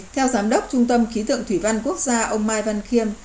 theo giám đốc trung tâm khí tượng thủy văn quốc gia ông mai văn khiêm